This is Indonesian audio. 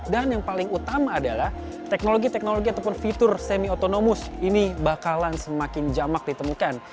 yang paling utama adalah teknologi teknologi ataupun fitur semi otonomous ini bakalan semakin jamak ditemukan